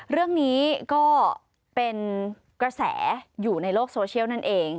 เรื่องนี้ก็เป็นกระแสอยู่ในโลกโซเชียลนั่นเอง